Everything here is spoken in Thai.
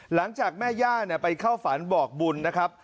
หลังจากแม่ย่าไปเข้าฝันบอกบุญนะครับ